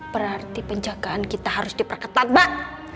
berarti penjagaan kita harus diperketat mbak